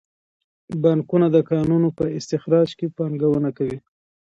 بانکونه د کانونو په استخراج کې پانګونه کوي.